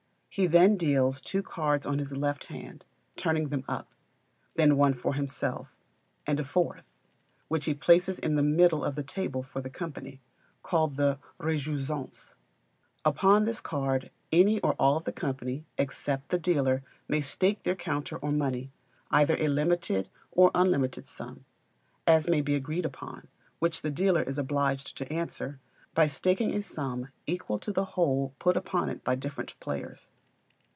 He then deals two cards on his left hand, turning them up; then one for himself, and a fourth, which he places in the middle of the table for the company, called the rejouissance. Upon this card any or all of the company, except the dealer, may stake their counter or money, either a limited or unlimited sum, as may be agreed on, which the dealer is obliged to answer, by staking a sum equal to the whole put upon it by different players.